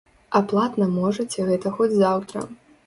А платна можаце гэта хоць заўтра.